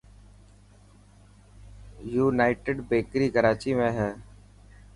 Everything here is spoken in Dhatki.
يونائٽڊ بيڪري ڪراچي ۾ هي.